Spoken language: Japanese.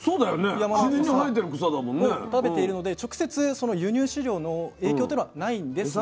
山の草を食べているので直接その輸入飼料の影響というのはないんですが。